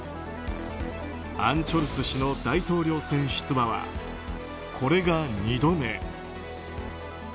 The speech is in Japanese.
アン・チョルス氏の大統領選出馬はこれが２度目。